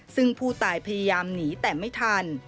ซึ่งผู้ตายพยายามหนีแต่ไม่ทัน